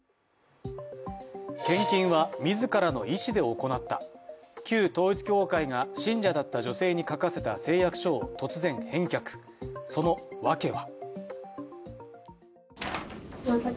献金は自らの意思で行った、旧統一教会が信者だった女性に書かせた誓約書を突然返却、そのわけは？